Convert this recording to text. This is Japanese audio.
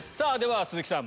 鈴木さん